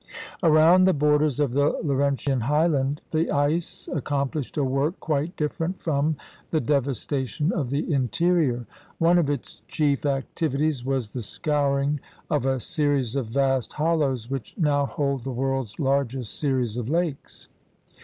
Around the borders of the Laurentian highland the ice accomplished a work quite different from the devastation of the interior. One of its chief activities was the scouring of a series of vast hol lows which now hold the world's largest series of lakes.